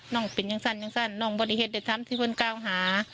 น้องเป็นยังสั่นยังสั่นน้องบริเศษได้ทำที่คนก้าวหา